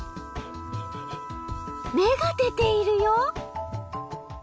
芽が出ているよ！